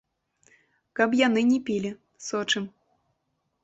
Каб яны не пілі, сочым.